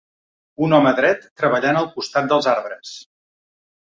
Un home dret treballant al costat dels arbres.